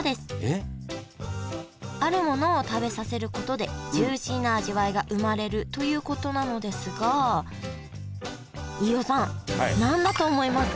あるものを食べさせることでジューシーな味わいが生まれるということなのですが飯尾さん何だと思いますか？